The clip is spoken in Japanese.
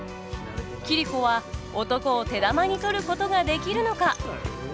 桐子は男を手玉に取ることができるのか？